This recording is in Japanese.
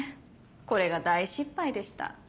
これが大失敗でした。